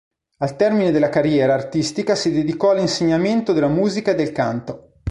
Al termine della carriera artistica si dedicò all'insegnamento della musica e del canto.